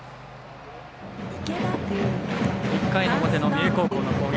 １回の表の三重高校の攻撃。